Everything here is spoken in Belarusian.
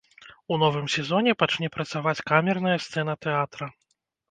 У новым сезоне пачне працаваць камерная сцэна тэатра.